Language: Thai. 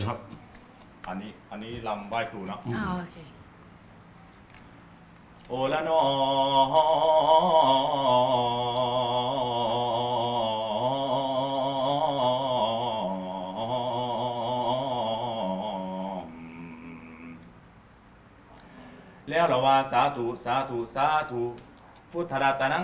ถ้างั้นไหนบอกสิหมอลำมันมีอะไรบ้าง